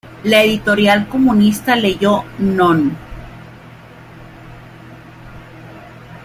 La editorial comunista leyó: "Non!